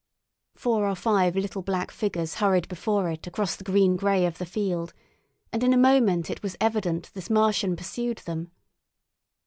Four or five little black figures hurried before it across the green grey of the field, and in a moment it was evident this Martian pursued them.